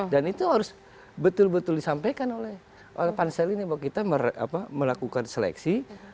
dan itu harus betul betul disampaikan oleh pak ansel ini bahwa kita melakukan seleksi